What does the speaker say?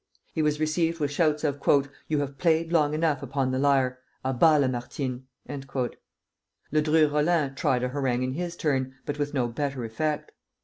He was received with shouts of "You have played long enough upon the lyre! A bas Lamartine!" Ledru Rollin tried to harangue in his turn, but with no better effect.